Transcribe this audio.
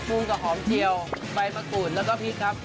กับหอมเจียวใบมะกรูดแล้วก็พริกครับ